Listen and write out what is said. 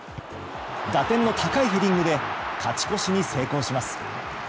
打点の高いヘディングで勝ち越しに成功します。